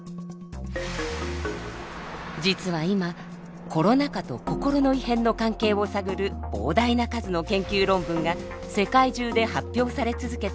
実は今コロナ禍と心の異変の関係を探る膨大な数の研究論文が世界中で発表され続けています。